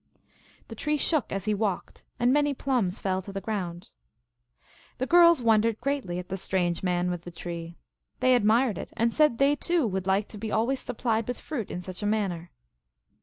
The tree shook as he walked, and many plums fell to the ground. The girls wondered greatly at the strange man with the tree. They admired it, and said they, too, would like to be always supplied with fruit in such a man ner.